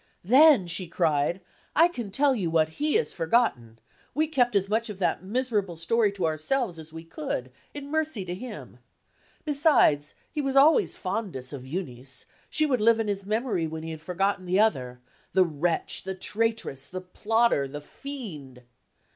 "Then," she cried, "I can tell you what he has forgotten! We kept as much of that miserable story to ourselves as we could, in mercy to him. Besides, he was always fondest of Euneece; she would live in his memory when he had forgotten the other the wretch, the traitress, the plotter, the fiend!"